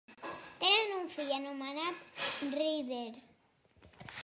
Tenen un fill anomenat Ryder.